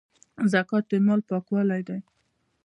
زکات د مال پاکوالی دی